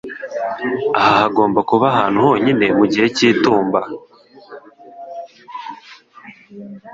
Aha hagomba kuba ahantu honyine mu gihe cy'itumba.